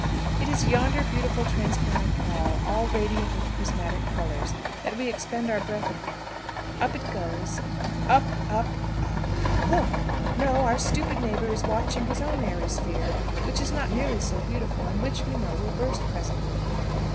It is yonder beautiful transparent ball, all radiant with prismatic colours, that we expend our breath upon. Up it goes up, up, up look! No; our stupid neighbour is watching his own airy sphere, which is not nearly so beautiful; and which, we know, will burst presently!